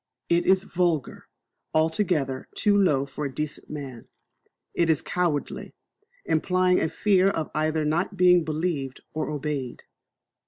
It is vulgar, altogether too low for a decent man. It is cowardly, implying a fear either of not being believed or obeyed.